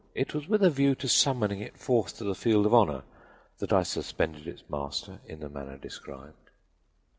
It was with a view to summoning it forth to the field of honor that I suspended its master in the manner described.